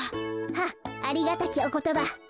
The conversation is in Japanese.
はっありがたきおことば。